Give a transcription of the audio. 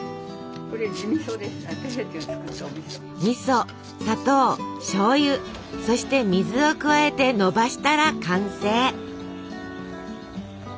みそ砂糖しょうゆそして水を加えてのばしたら完成！